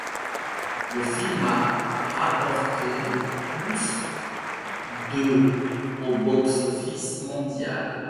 Le film a rapporté plus de au box-office mondial.